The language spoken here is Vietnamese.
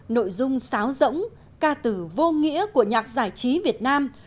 nội dung sáo rỗng ca từ vô nghĩa của nhạc giải trí việt nam